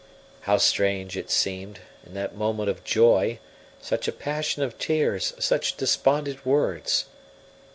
How strange it seemed, in that moment of joy, such a passion of tears, such despondent words!